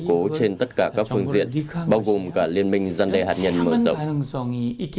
cố trên tất cả các phương diện bao gồm cả liên minh gian đe hạt nhân mở rộng